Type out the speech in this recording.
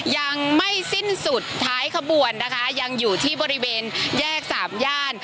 ยังไม่สิ้นสุดท้ายขบวนนะคะยังอยู่ที่บริเวณแยกสามย่าน